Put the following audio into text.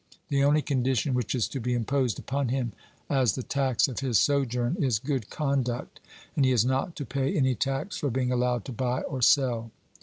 The only condition which is to be imposed upon him as the tax of his sojourn is good conduct; and he is not to pay any tax for being allowed to buy or sell.